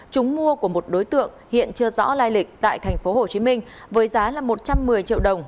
chúng mua của một đối tượng hiện chưa rõ lai lịch tại tp hcm với giá một trăm một mươi triệu đồng